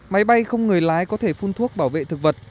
máy bay không người lái có thể phun thuốc bảo vệ thực vật